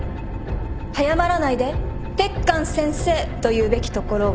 「早まらないで鉄幹先生」と言うべきところを。